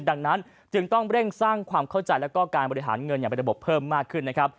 ดังนั้นจึงต้องเร่งสร้างความเข้าใจแล้วก็การบริหารเงินอย่างเป็นระบบเพิ่มมากขึ้นนะครับ